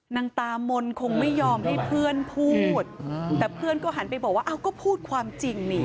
นางตามนคงไม่ยอมให้เพื่อนพูดแต่เพื่อนก็หันไปบอกว่าอ้าวก็พูดความจริงนี่